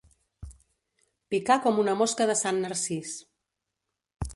Picar com una mosca de Sant Narcís.